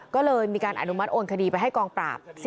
ก็เลยมีการอนุมัติโอนคดีไปให้กองปราบ